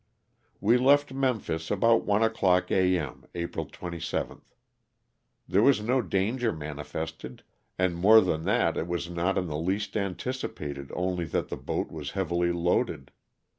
We left Memphis about one o'clock A. M. April 27th. There was no danger manifested, and more than that it was not in the least anticipated only that the boat was heavily loaded.